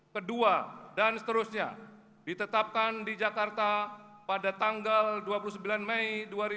kedua dan seterusnya ditetapkan di jakarta pada tanggal dua puluh sembilan mei dua ribu dua puluh